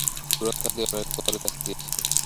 গ্রন্থাদি অনেক পরে দেখা দিয়াছে।